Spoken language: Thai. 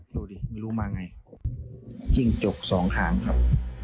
ดูดิไม่รู้มาไงจิ้งจกสองหางครับ